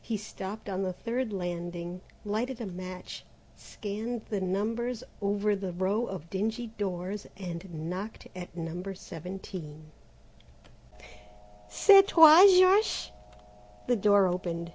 He stopped on the third landing, lighted a match, scanned the numbers over the row of dingy doors, and knocked at No. 17. "C'est toi Georges?" The door opened.